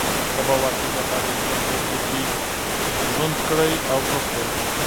د بواسیر لپاره انځر په اوبو کې لمد کړئ او وخورئ